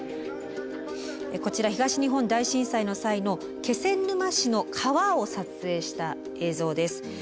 こちら東日本大震災の際の気仙沼市の川を撮影した映像です。